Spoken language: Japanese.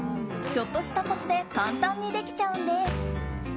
ちょっとしたコツで簡単にできちゃうんです。